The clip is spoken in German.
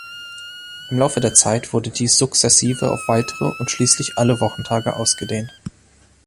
Im Laufe der Zeit wurde dies sukzessive auf weitere und schließlich alle Wochentage ausgedehnt.